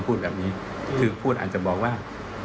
แม่จะมาเรียกร้องอะไร